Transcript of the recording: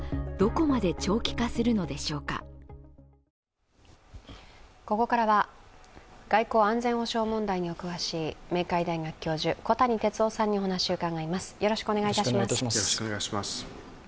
ここからは外交・安全保障問題にお詳しい明海大学教授、小谷哲男さんにお話を伺います。